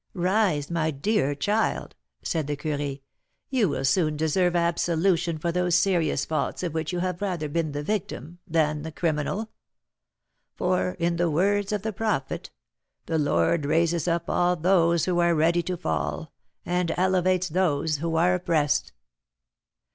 "Rise, my dear child," said the curé; "you will soon deserve absolution from those serious faults of which you have rather been the victim than the criminal; for, in the words of the prophet, 'The Lord raises up all those who are ready to fall, and elevates those who are oppressed.'"